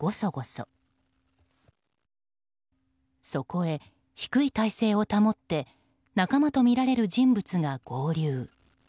そこへ低い体勢を保って仲間とみられる人物が合流。